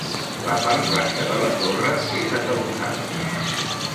La part baixa de la torre és atalussada.